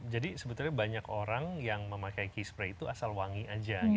jadi sebetulnya banyak orang yang memakai key spray itu asal wangi saja